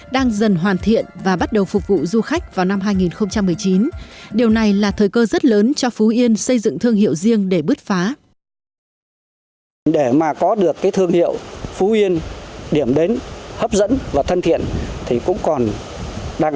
điều này là thời cơ rất lớn cho phụ yên xây dựng thương hiệu riêng để bước phá